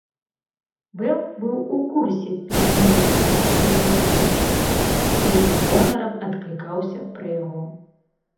Бэл быў у курсе пісьменніцкага дэбюту вучня і з гонарам адклікаўся пра яго.